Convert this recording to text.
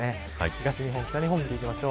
東日本、北日本です。